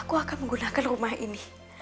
aku akan menggunakan rumah ini